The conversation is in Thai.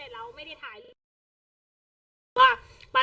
เดี๋ยวลองฟังดูนะครับ